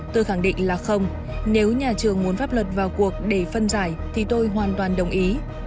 tôi khẳng định là không nếu nhà trường muốn pháp luật vào cuộc để phân giải thì tôi hoàn toàn đồng ý